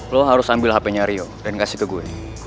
lo harus ambil hpnya rio dan kasih ke gue